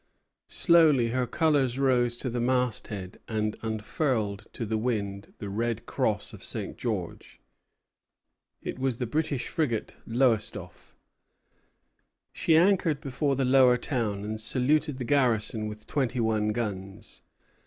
Slowly her colors rose to the mast head and unfurled to the wind the red cross of St. George. It was the British frigate "Lowestoffe." She anchored before the Lower Town, and saluted the garrison with twenty one guns.